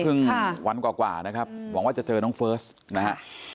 วันกว่านะครับหวังว่าจะเจอน้องเฟิร์สนะฮะ